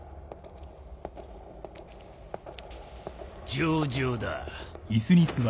上々だ。